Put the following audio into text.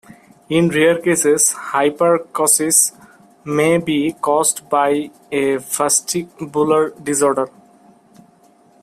In rare cases, hyperacusis may be caused by a vestibular disorder.